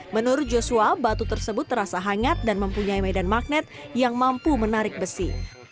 menurut joshua batu tersebut terasa hangat dan mempunyai medan magnet yang mampu menarik besi